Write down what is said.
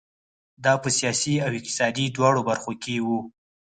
دا په سیاسي او اقتصادي دواړو برخو کې وو.